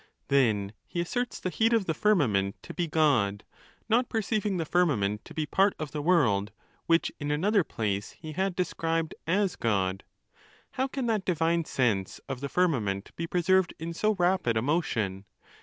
Then he asserts the heat of the firmament to be God ; not perceiving the firmament to be part of the world, which in another place he had described as God. How can that divine sense of the firmament be preserved in so rapid a motion